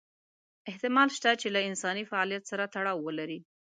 احتمال شته چې له انساني فعالیت سره تړاو ولري.